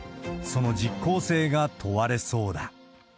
その実効性が問われそうだ。